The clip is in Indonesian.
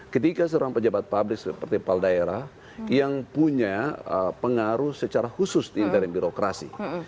ketika seorang pejabat publik seperti pal daerah yang punya pengaruh secara khusus dari birokrasi